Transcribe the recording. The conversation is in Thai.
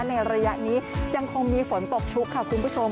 ในระยะนี้ยังคงมีฝนตกชุกค่ะคุณผู้ชม